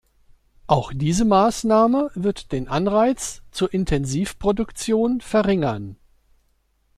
Auch diese Maßnahme wird den Anreiz zur Intensivproduktion verringern.